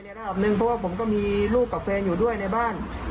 นึงเพราะว่าผมก็มีลูกกับแฟนอยู่ด้วยในบ้าน